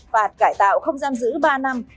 phạt cải tạo không giam giữ đến ba năm